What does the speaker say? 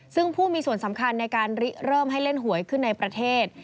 ซึ่งผู้มีส่วนสำคัญในการเริ่มให้เล่นหวยขึ้นในประเทศ